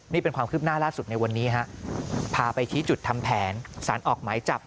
นี่เป็นความคืบหน้าล่าสุดในวันนี้ฮะพาไปชี้จุดทำแผนสารออกหมายจับ